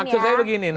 maksud saya begini